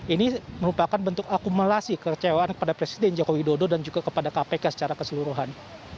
ini merupakan bentuk akumulasi kekecewaan kepada presiden joko widodo dan juga kepada kpk secara keseluruhan